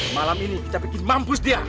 malam ini kita bikin mampus dia